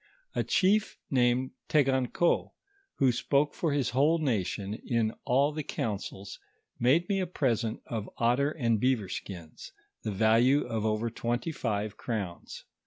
A chief named Teganeot, who spoke for his whole nation in all the councils, made me a present of otter and beavor ekins, to the value of over twenty five crowns.